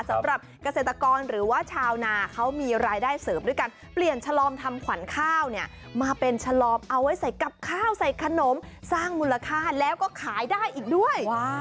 สำหรับเกษตรกรหรือว่าชาวนาเขามีรายได้เสริมด้วยการเปลี่ยนฉลอมทำขวัญข้าวเนี่ยมาเป็นฉลอมเอาไว้ใส่กับข้าวใส่ขนมสร้างมูลค่าแล้วก็ขายได้อีกด้วย